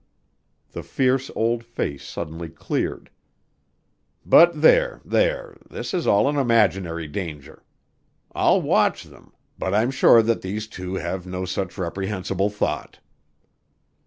The fierce old face suddenly cleared. "But there there! This is all an imaginary danger. I'll watch them, but I'm sure that these two have no such reprehensible thought."